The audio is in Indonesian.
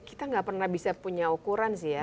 kita nggak pernah bisa punya ukuran sih ya